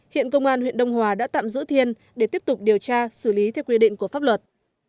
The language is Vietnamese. hiện công an huyện đông hòa đã tạm giữ thiên để tiếp tục điều tra xử lý theo quy định của pháp luật